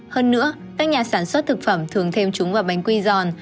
hơn nữa các nhà sản xuất thực phẩm thường thêm chúng vào bánh quy giòn